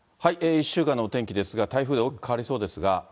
１週間のお天気ですが、台風で大きく変わりそうですが。